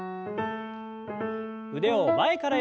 腕を前から横に。